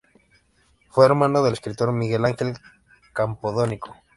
Fue hermano del escritor Miguel Ángel Campodónico.